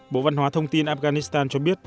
bộ văn hóa thông tin afghanistan cho biết